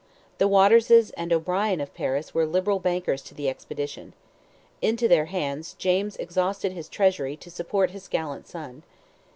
The Waterses and O'Brien of Paris were liberal bankers to the expedition. Into their hands James "exhausted his treasury" to support his gallant son.